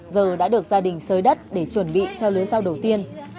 giờ đã được gia đình sới đất để chuẩn bị cho lưới rau đầu tiên